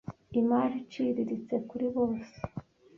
imari iciriritse kuri bose